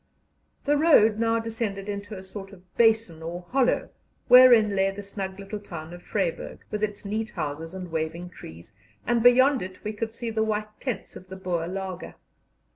The road now descended into a sort of basin or hollow, wherein lay the snug little town of Vryburg, with its neat houses and waving trees, and beyond it we could see the white tents of the Boer laager.